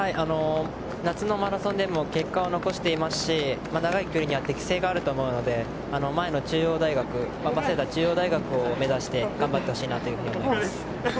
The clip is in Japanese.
夏のマラソンでも結果を残していますし長い距離には適性があると思うので前の中央大学、早稲田を目指して頑張ってほしいなと思います。